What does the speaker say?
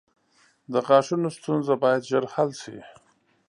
• د غاښونو ستونزه باید ژر حل شي.